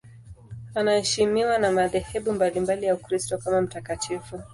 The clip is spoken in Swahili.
Anaheshimiwa na madhehebu mbalimbali ya Ukristo kama mtakatifu.